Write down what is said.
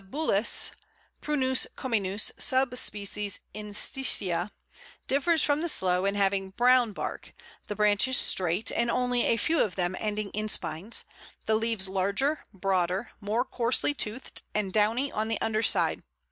The Bullace (Prunus communis, sub sp. insititia) differs from the Sloe in having brown bark, the branches straight and only a few of them ending in spines, the leaves larger, broader, more coarsely toothed, and downy on the underside.